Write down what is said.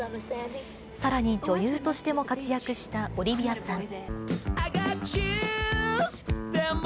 さらに女優としても活躍したオリビアさん。